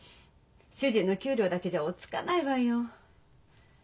主人の給料だけじゃ追っつかないわよ。